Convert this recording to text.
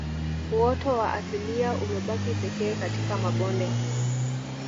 Uoto wa asilia umebaki pekee katika mabonde